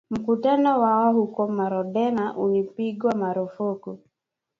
Mkutano wao huko Marondera ulipigwa marufuku